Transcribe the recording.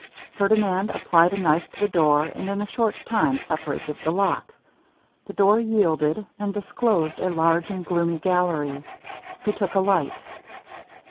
Ferdinand applied a knife to the door, and in a short time separated the lock. The door yielded, and disclosed a large and gloomy gallery. He took a light.